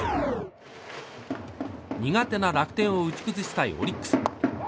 苦手な楽天を打ち崩したいオリックス。